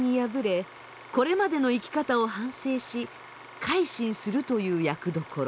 これまでの生き方を反省し改心するという役どころ。